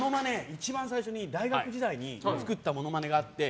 一番最初に大学時代に作ったモノマネがあって。